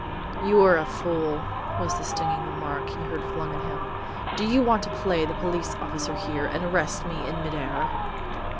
"You are a fool," was the stinging remark he heard flung at him. "Do you want to play the police officer here and arrest me in mid air?"